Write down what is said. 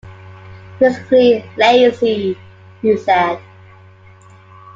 'Physically lazy,' he said.